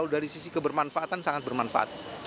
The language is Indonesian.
dari sisi kebermanfaatan sangat bermanfaat